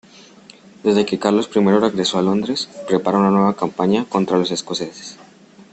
Desde que Carlos I regresó a Londres, prepara una nueva campaña contra los escoceses.